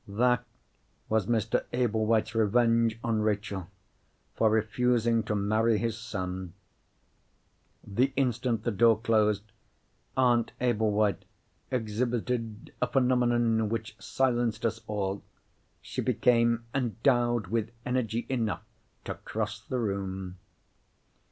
That was Mr. Ablewhite's revenge on Rachel, for refusing to marry his son! The instant the door closed, Aunt Ablewhite exhibited a phenomenon which silenced us all. She became endowed with energy enough to cross the room!